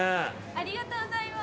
ありがとうございます。